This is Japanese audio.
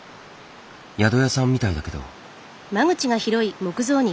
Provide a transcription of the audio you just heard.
宿屋さんみたいだけど。